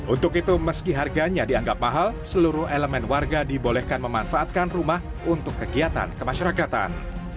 untuk itu meski harganya dianggap mahal seluruh elemen warga dibolehkan memanfaatkan rumah untuk kegiatan kemasyarakatan